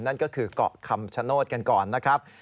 นั่นก็คือเกาะคำชโนธกันก่อนนะครับ